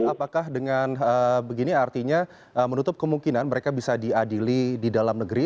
apakah dengan begini artinya menutup kemungkinan mereka bisa diadili di dalam negeri